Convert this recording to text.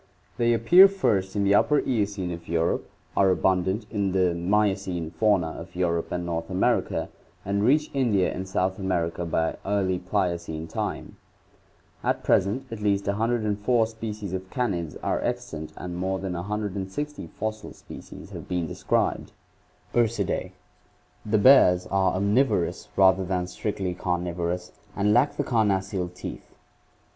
They appear first in the Upper Eocene of Europe, are abundant in the Miocene fauna of Europe and North America, and reach India and South America by early Pliocene time. At present at least 104 species of canids are extant and more than 160 fossil species have been described. Ursidss. — The bears are omnivorous rather than strictly carnivorous and lack the carnassial teeth.